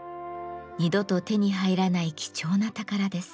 二度と手に入らない貴重な宝です。